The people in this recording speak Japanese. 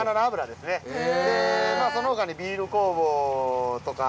でその他にビール酵母とか。